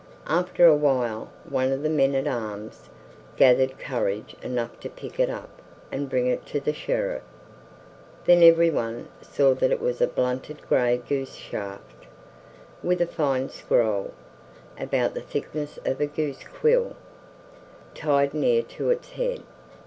After a while one of the men at arms gathered courage enough to pick it up and bring it to the Sheriff. Then everyone saw that it was a blunted gray goose shaft, with a fine scroll, about the thickness of a goose quill, tied near to its head.